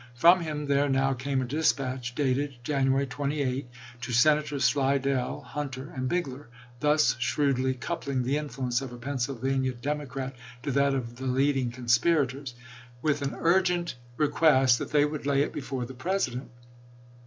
From him there now came a dispatch, dated January 28, to Senators Slidell, Hunter, and Bigler — thus shrewdly coup ling the influence of a Pennsylvania Democrat to that of the leading conspirators — "with an urgent 168 ABRAHAM LINCOLN chap. xi. request that they would lay it before the President.